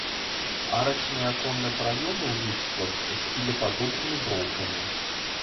Арачныя аконныя праёмы ў ліштвах з кілепадобнымі броўкамі.